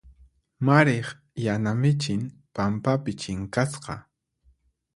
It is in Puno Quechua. Mariq yana michin pampapi chinkasqa.